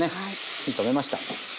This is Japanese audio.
火止めました。